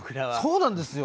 そうなんですよ！